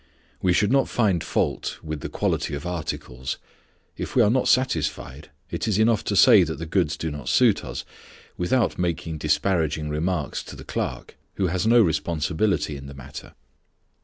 We should not find fault with the quality of articles. If we are not satisfied, it is enough to say that the goods do not suit us, without making disparaging remarks to the clerk, who has no responsibility in the matter.